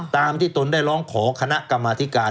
ตามที่ตนได้ร้องขอคณะกรรมธิการ